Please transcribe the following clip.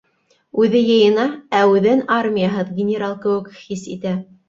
Үҙе йыйына, ә үҙен армияһыҙ генерал кеүек хис итә.